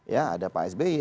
ya ada pak sby